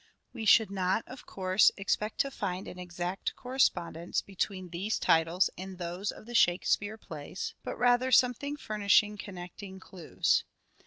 We should not, of course, expect to find an exact correspondence between these titles and those of the Shakespeare plays : but rather some thing furnishing connecting clues.